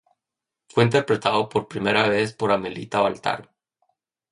Fue interpretado por primera vez por Amelita Baltar.